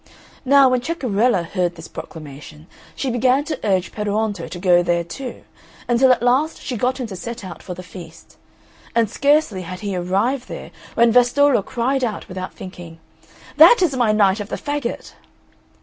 Now, when Ceccarella heard this proclamation, she began to urge Peruonto to go there too, until at last she got him to set out for the feast. And scarcely had he arrived there when Vastolla cried out without thinking, "That is my Knight of the Faggot."